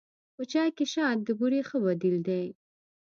په چای کې شات د بوري ښه بدیل دی.